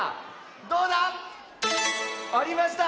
どうだ⁉ありました。